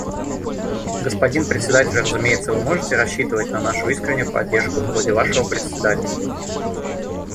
Господин Председатель, разумеется, вы можете рассчитывать на нашу искреннюю поддержку в ходе вашего председательства.